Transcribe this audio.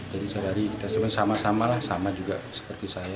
jadi sehari hari kita sama sama lah sama juga seperti saya